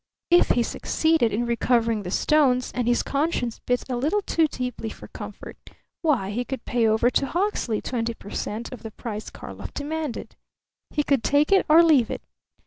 If he succeeded in recovering the stones and his conscience bit a little too deeply for comfort why, he could pay over to Hawksley twenty per cent. of the price Karlov demanded. He could take it or leave it.